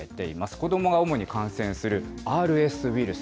子どもが主に感染するＲＳウイルス。